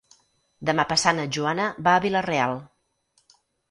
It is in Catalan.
Demà passat na Joana va a Vila-real.